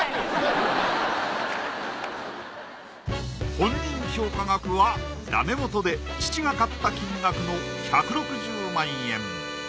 本人評価額はダメもとで父が買った金額の１６０万円。